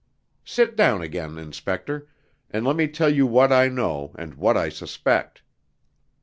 Sit down again, inspector, and let me tell you what I know, and what I suspect."